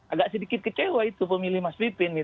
agak sedikit kecewa itu pemilih mas pipin